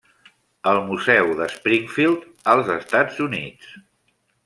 El Museu de Springfield als Estats Units.